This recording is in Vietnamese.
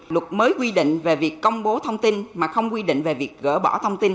luật mới quy định về việc công bố thông tin mà không quy định về việc gỡ bỏ thông tin